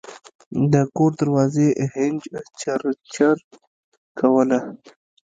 د کور دروازې هینج چرچره کوله.